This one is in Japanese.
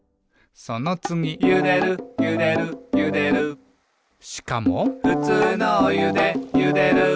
そのつぎ「ゆでるゆでるゆでる」しかも「ふつうのおゆでゆでる」